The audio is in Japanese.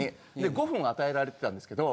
５分与えられてたんですけど